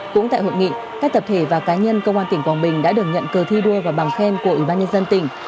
cũng tại hội nghị các tập thể và cá nhân công an tỉnh quảng bình đã được nhận cờ thi đua và bằng khen của ủy ban nhân dân tỉnh